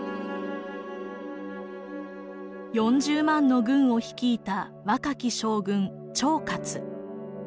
４０万の軍を率いた若き将軍趙括。